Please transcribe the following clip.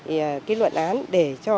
cái luận án để cho